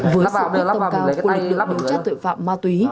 với sự tốc tốc cao của lực lượng đấu trách tội phạm ma túy